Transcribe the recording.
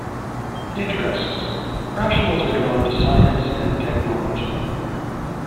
Interests: Rationals are drawn to "science" and "technology".